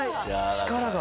力が。